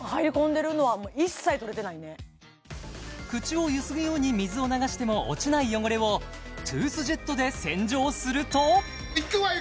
口をゆすぐように水を流しても落ちない汚れをトゥースジェットで洗浄するといくわよ